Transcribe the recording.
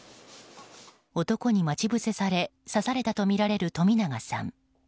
男に待ち伏せされ刺されたとみられる冨永さん。